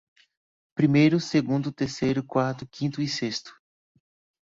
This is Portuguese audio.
Primeiro, segundo, terceiro, quarto, quinto e sexto